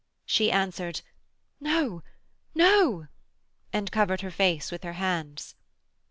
She answered: 'No, no,' and covered her face with her hands.